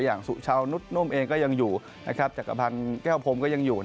อย่างสุชาวนุษย์นุ่มเองก็ยังอยู่จักรพันธ์แก้วพรมก็ยังอยู่